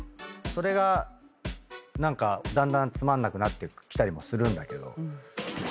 それが何かだんだんつまんなくなってきたりもするんだけど。